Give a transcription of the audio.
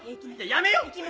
やめよう。